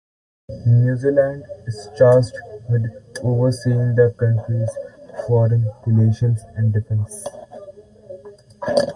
New Zealand is tasked with overseeing the country's foreign relations and defense.